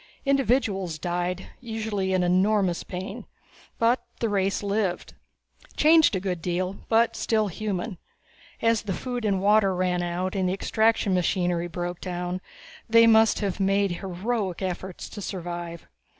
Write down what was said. Individuals died, usually in enormous pain, but the race lived. Changed a good deal, but still human. As the water and food ran out and the extraction machinery broke down, they must have made heroic efforts to survive.